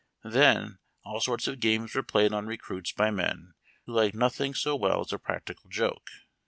Then, all sorts of games were played on recruits by men who liked nothing so well as a practical joke.